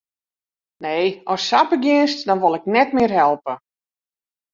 Nee, ast sa begjinst, dan wol ik net mear helpe.